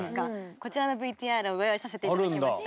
こちらのＶＴＲをご用意させて頂きました。